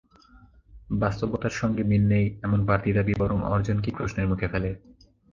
বাস্তবতার সঙ্গে মিল নেই, এমন বাড়তি দাবি বরং অর্জনকেই প্রশ্নের মুখে ফেলে।